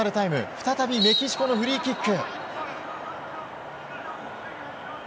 再びメキシコのフリーキック。